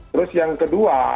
terus yang kedua